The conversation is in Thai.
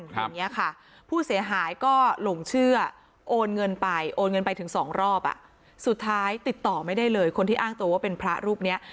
อย่างนี้ค่ะผู้เสียหายก็หลงเชื่อโอนเงินไปโอนเงินไปถึงสองรอบอ่ะสุดท้ายติดต่อไม่ได้เลยคนที่อ้างตัวว่าเป็นพระรูปเนี้ย